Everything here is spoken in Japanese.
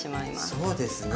そうですね。